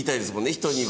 人には。